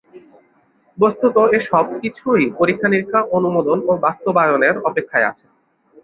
বস্ত্তত এ সবকিছুই পরীক্ষা-নিরীক্ষা, অনুমোদন ও বাস্তবায়নের অপেক্ষায় আছে।